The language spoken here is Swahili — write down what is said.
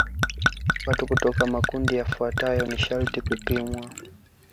Watu kutoka makundi yafuatayo ni sharti kupimwa